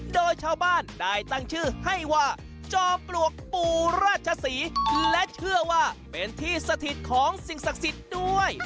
โดยชาวบ้านได้ตั้งชื่อให้ว่าจอมปลวกปู่ราชศรีและเชื่อว่าเป็นที่สถิตของสิ่งศักดิ์สิทธิ์ด้วย